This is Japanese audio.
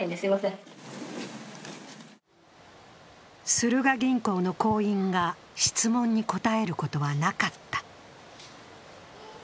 スルガ銀行の行員が質問に答えることはなかった。